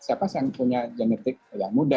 siapa saja yang punya genetik muda